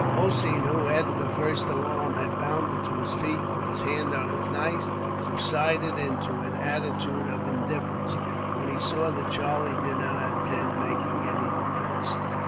Hossein, who, at the first alarm, had bounded to his feet with his hand on his knife, subsided into an attitude of indifference, when he saw that Charlie did not intend making any defence.